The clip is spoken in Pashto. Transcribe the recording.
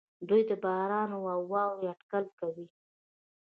دوی د باران او واورې اټکل کوي.